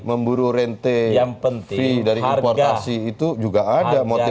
memburu rente fee dari importasi itu juga ada motif seperti itu